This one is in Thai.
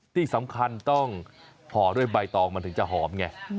ที่สำคัญต้องห่อด้วยใบตองมันถึงจะหอมไง